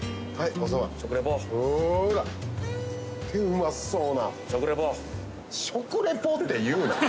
うまそうな。